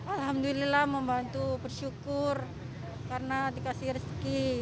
alhamdulillah membantu bersyukur karena dikasih rezeki